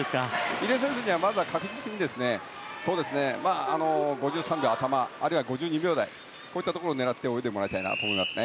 入江選手にはまずは確実に５３秒頭あるいは５２秒台を狙って泳いでもらいたいと思います。